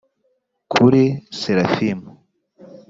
kuri serafimu